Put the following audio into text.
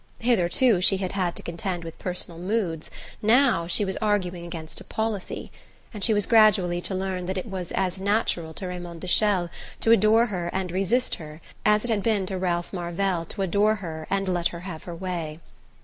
Hitherto she had had to contend with personal moods, now she was arguing against a policy; and she was gradually to learn that it was as natural to Raymond de Chelles to adore her and resist her as it had been to Ralph Marvell to adore her and let her have her way.